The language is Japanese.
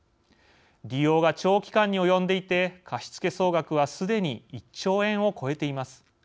利用が長期間に及んでいて貸付総額はすでに１兆円を超えています。